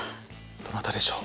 どなたでしょう？